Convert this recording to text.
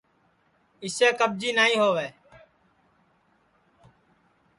اِسے کٻجی نائی ہؤے